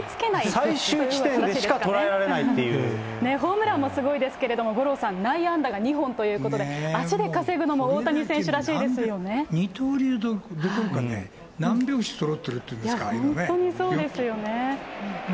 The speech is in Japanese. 最終地点でしか捉えられないホームランもすごいですけれども、五郎さん、内野安打が２本ということで、足で稼ぐのも大谷二刀流どころかね、何拍子そろってるっていうんですかね、本当にそうですよね。